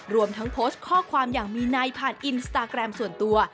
รวมทั้งโพสต์ข้อความอย่างมีในผ่านอินสตาแกรมส่วนตัว